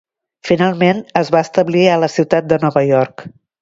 Finalment es va establir a la ciutat de Nova York.